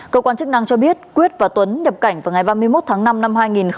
cơ quan chức năng cho biết quyết và tuấn nhập cảnh vào ngày ba mươi một tháng năm năm hai nghìn một mươi chín